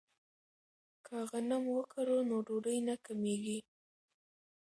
که غنم وکرو نو ډوډۍ نه کمیږي.